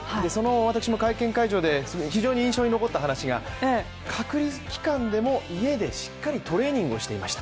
私も会場で非常に印象に残った話が隔離期間でも、家でしっかりトレーニングしていました。